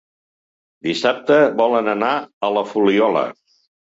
Dissabte volen anar a la Fuliola.